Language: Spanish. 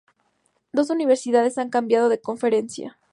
Dos universidades han cambiado de conferencia.